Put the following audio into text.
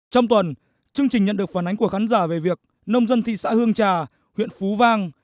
trong tuần chương trình nhận được phản ánh của khán giả về việc nông dân thị xã hương trà huyện phú vang